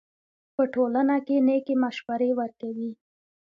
په ټولنه کښي نېکي مشورې ورکوئ!